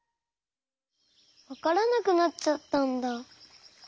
わからなくなっちゃったんだ。